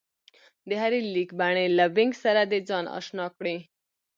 د هرې لیکبڼې له وينګ سره دې ځان اشنا کړي